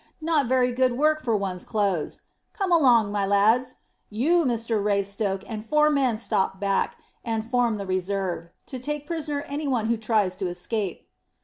Not very good work for one's clothes. Come along, my lads. You, Mr Raystoke, and four men stop back, and form the reserve, to take prisoner any one who tries to escape."